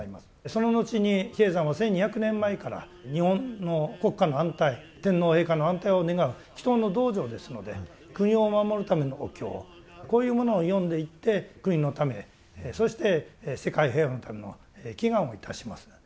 その後に比叡山は１２００年前から日本の国家の安泰天皇陛下の安泰を願う祈祷の道場ですので国を守るためのお経こういうものを読んでいって国のためそして世界平和のための祈願をいたします。